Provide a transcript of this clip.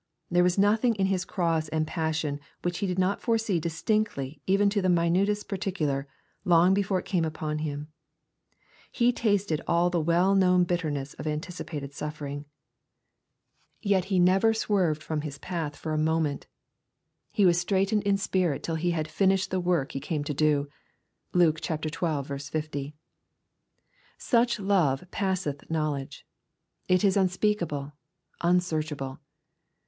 There was nothing in His cross and passion which He did not foresee distinctly even to the minutest particular, long before it came upon Him. He tasted nil the well known bitterness of anticipated suffering. Yet He never swerved from His path for « 280 • EXPOSITORY THOUGHTS. momeat. He was straitened in spirit till He had finished the work He came to do. (Luke xii. 50.) Such love passeth knowledge. It is unspeakable, unsearchable.